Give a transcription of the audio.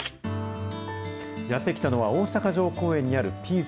やって来たのは、大阪城公園にあるピース